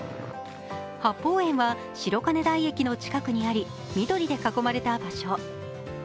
八芳園は白金台駅の近くにあり、緑で囲まれた場所。